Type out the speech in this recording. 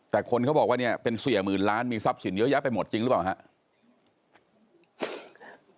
แต่คนเขาบอกว่าเนี่ยเป็นเสียหมื่นล้านมีทรัพย์สินเยอะแยะไปหมดจริงหรือเปล่าครับ